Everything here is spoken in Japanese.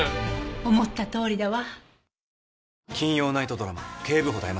思ったとおりだわ。